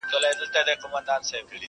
خدایه مینه د قلم ور کړې په زړو کي .